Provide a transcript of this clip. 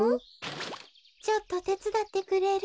ちょっとてつだってくれる？